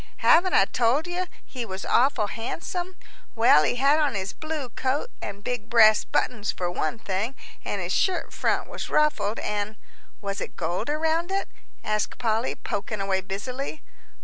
"Haven't I told you he was awful handsome? Well, he had on his blue coat and big brass buttons for one thing, an' his shirt front was ruffled. And " "Was it gold around it?" asked Polly, poking away busily.